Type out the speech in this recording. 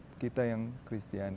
jadi kalau kita yang kristiani